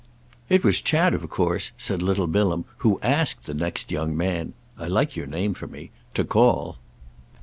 "It was Chad of course," said little Bilham, "who asked the next young man—I like your name for me!—to call."